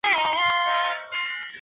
邢岫烟来大观园时也住于此。